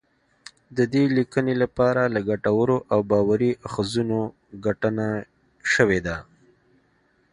د دې لیکنی لپاره له ګټورو او باوري اخځونو ګټنه شوې ده